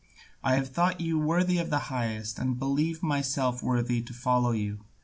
I have thought you worthy of the highest, and believed myself worthy to follow you.